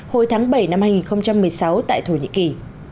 hồi tháng bảy năm hai nghìn một mươi sáu tại thổ nhĩ kỳ